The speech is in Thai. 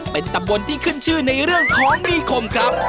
เป็นตำบลที่ขึ้นชื่อในเรื่องของมีคมครับ